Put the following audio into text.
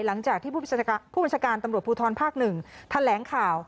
หลังจากที่ผู้บัญชาการตำรวจภูทรภาค๑แถลงข่าว